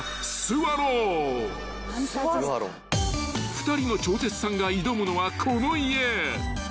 ［２人の超絶さんが挑むのはこの家］